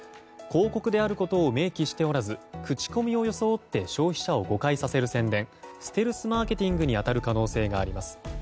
広告であることを明記しておらず口コミを装って消費者を誤解させる宣伝ステルスマーケティングに当たる可能性があります。